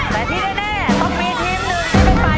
แต่ที่แน่ต้องมีทีมหนึ่งที่ไม่ไป